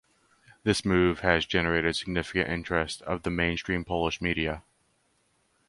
This move has generated significant interest of the mainstream polish media.